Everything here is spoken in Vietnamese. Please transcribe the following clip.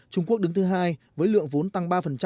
trung quốc đứng thứ hai với lượng vốn tăng ba